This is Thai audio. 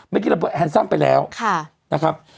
ไม่กินเรื่องแฮนซ่อมไปแล้วค่ะนะครับ